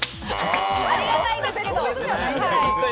ありがたいですけれど。